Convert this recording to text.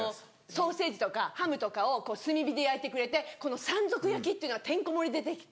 ソーセージとかハムとかを炭火で焼いてくれて山賊焼きっていうのがてんこ盛りで出てきて。